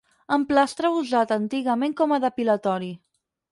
Emplastre usat antigament com a depilatori.